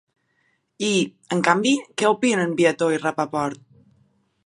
I, en canvi, què opinen Viateau i Rapaport?